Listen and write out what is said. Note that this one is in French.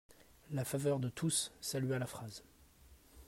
La faveur de tous salua la phrase.